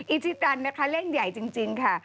อิชิตันนะคะเล่นใหญ่จริงค่ะ